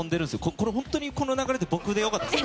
これ本当に、この流れで僕で良かったですか？